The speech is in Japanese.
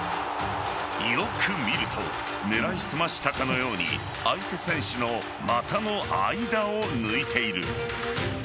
よく見ると狙い澄ましたかのように相手選手の股の間を抜いている。